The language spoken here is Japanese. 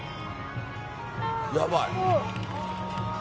やばい。